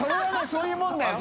そういうもんだよ。